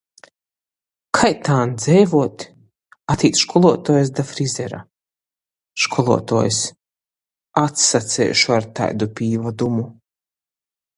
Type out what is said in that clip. Kai tān dzeivuot?? Atīt školuotuojs da frizera. Školuotuojs: - Atsaceišu ar taidu pīvadumu...